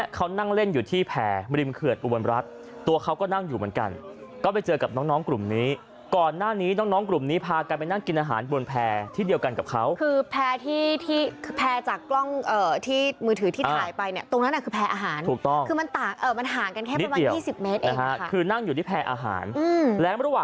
เขานั่งเล่นอยู่ที่แพร่ริมเขื่อนอุบลรัฐตัวเขาก็นั่งอยู่เหมือนกันก็ไปเจอกับน้องน้องกลุ่มนี้ก่อนหน้านี้น้องน้องกลุ่มนี้พากันไปนั่งกินอาหารบนแพร่ที่เดียวกันกับเขาคือแพร่ที่ที่คือแพร่จากกล้องที่มือถือที่ถ่ายไปเนี่ยตรงนั้นคือแพร่อาหารถูกต้องคือมันต่างมันห่างกันแค่ประมาณยี่สิบเมตรเองคือนั่งอยู่ที่แพรอาหารและร